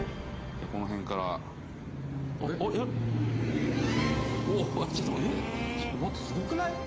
この辺からちょっと待って待ってすごくない？